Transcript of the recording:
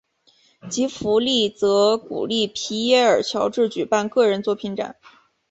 吉福利则鼓励皮耶尔乔治举办个人作品展。